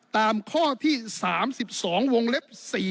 ตามข้อที่๓๒วงเล็บ๔